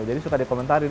jadi suka dikomentari